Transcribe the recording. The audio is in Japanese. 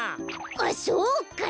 あっそうか！